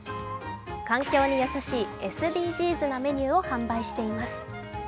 環境に優しいＳＤＧｓなメニューを販売しています。